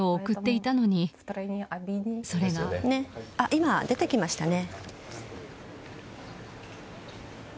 今、出てきましたね。